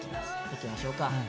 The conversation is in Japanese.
いきましょうか。